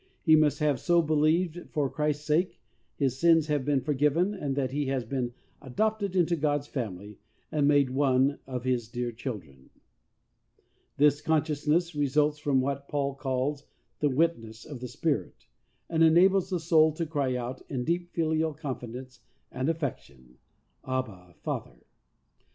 He must have so believed as to bring a rest ful consciousness that for Christ's sake his sins have been forgiven and that he has been adopted into God's family and made one of His dear children. This consciousness re sults from what Paul calls "the witness of the Spirit," and enables the soul to cry out in deep filial confidence and affection, "Abba Father."